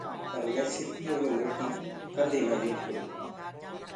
پر مينٚ سيٚپو مي موتي ڪدي نآ ديکرو هونٚ۔